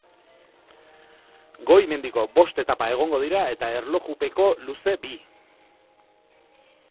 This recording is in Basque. Goi mendiko bost etapa egongo dira eta erlojupeko luze bi.